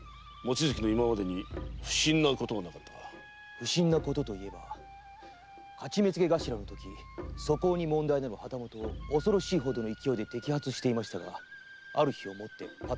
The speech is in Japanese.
不審なことと言えば徒目付頭のとき素行に問題のある旗本を恐ろしいほどの勢いで摘発していましたがある日をもってぱったりと。